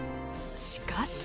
しかし。